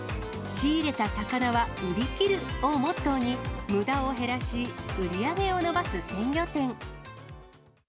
仕入れた魚は売り切るをモットーに、むだを減らし、売り上げを伸ばす鮮魚店。